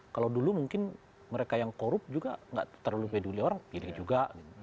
kalau dulu mungkin mereka yang korup juga nggak terlalu peduli orang pilih juga